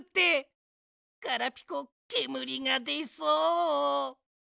ガラピコけむりがでそう！